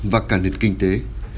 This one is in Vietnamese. và cả nền kinh tế